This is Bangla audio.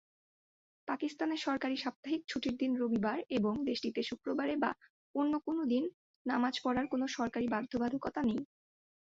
পাকিস্তানে সরকারী সাপ্তাহিক ছুটির দিন রবিবার এবং দেশটিতে শুক্রবারে কিংবা অন্য কোনো দিন নামাজ পড়ার কোনো সরকারী বাধ্যবাধকতা নেই।